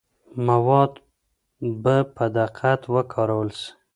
مواد به په دقت وکارول سي.